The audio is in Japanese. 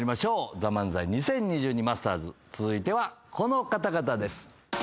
『ＴＨＥＭＡＮＺＡＩ２０２２マスターズ』続いてはこの方々です。